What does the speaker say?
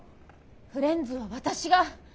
フレンズは私が。